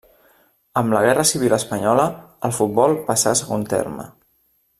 Amb la Guerra civil espanyola, el futbol passà a segon terme.